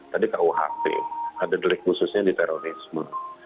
tadi kuhp ada delik khususnya di terorisme